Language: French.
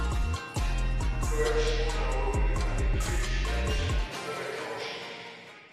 Ploetz fonde la revue ' avec Fritz Lenz comme rédacteur en chef.